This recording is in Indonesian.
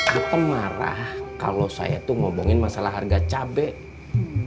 atem marah kalau saya ngomongin masalah harga cabai